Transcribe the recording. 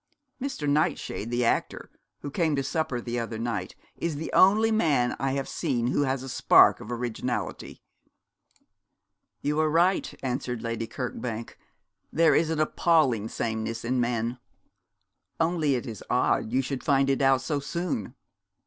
Mr. Nightshade, the actor, who came to supper the other night, is the only man I have seen who has a spark of originality.' 'You are right,' answered Lady Kirkbank, 'there is an appalling sameness in men: only it is odd you should find it out so soon.